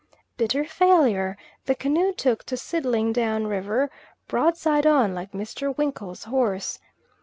Bitter failure; the canoe took to sidling down river broadside on, like Mr. Winkle's horse.